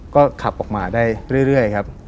ก็ขับออกมาได้เรื่อยครับ